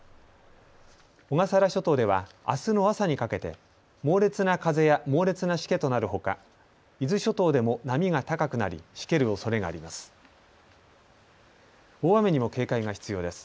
小笠原諸島ではあすの朝にかけて猛烈な風や猛烈なしけとなるほか伊豆諸島でも波が高くなりしけるおそれがあります。